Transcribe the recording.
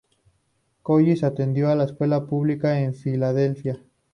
Collins atendió la escuela pública en Filadelfia.